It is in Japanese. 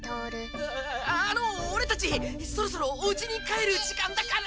ああのオレたちそろそろおうちにかえるじかんだから！